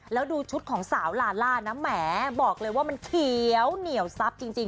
แล้วดูชุดของสาวลาล่านะแหมบอกเลยว่ามันเขียวเหนี่ยวซับจริง